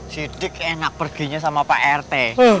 si dik enak perginya sama pak rt